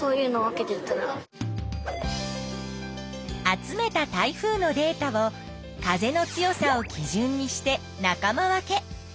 集めた台風のデータを風の強さをきじゅんにして仲間分け。